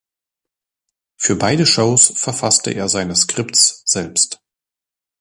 Für beide Shows verfasste er seine Scripts selbst.